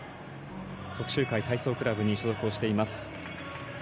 徳洲会体操クラブに所属をしています。